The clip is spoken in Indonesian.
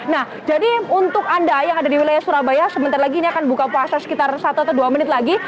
nah jadi untuk anda yang ada di wilayah surabaya sebentar lagi ini akan buka puasa sekitar satu atau dua menit lagi